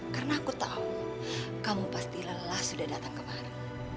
karena aku tahu kamu pasti lelah sudah datang kemari